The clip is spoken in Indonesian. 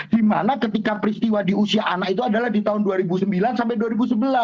dimana ketika peristiwa di usia anak itu adalah di tahun dua ribu sembilan sampai dua ribu sebelas